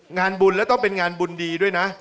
งานบุญแล้วต้องเป็นงานบุญดีด้วยนะ